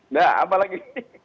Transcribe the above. nah apa lagi